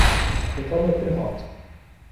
Kêfa me pir dihat